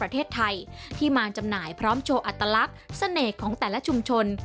ประเทศไทยที่มาจำหน่ายพร้อมโชว์อัตลักษณ์เสน่ห์ของแต่ละชุมชน